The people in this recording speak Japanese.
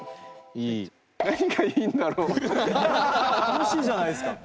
楽しいじゃないっすか！